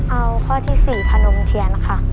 เอาข้อที่๔พนมเทียนค่ะ